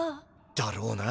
だろうな。